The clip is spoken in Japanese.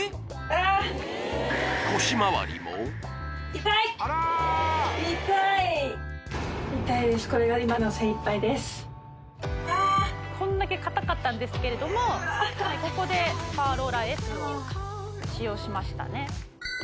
腰まわりもこんだけ硬かったんですけれどもここでパワーローラーＳを使用しましたね